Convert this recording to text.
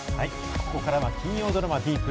ここからは金曜ドラマＤＥＥＰ